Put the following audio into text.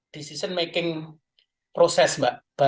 decision making proses mbak